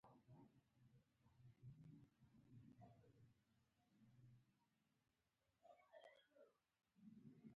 په نرمۍ سره د ویښتانو ږمنځول ضروري دي.